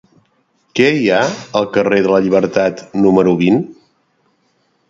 Què hi ha al carrer de la Llibertat número vint?